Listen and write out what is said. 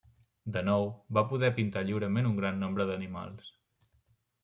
De nou, va poder pintar lliurement un gran nombre d'animals.